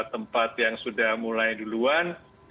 tempat yang sudah mulai duluan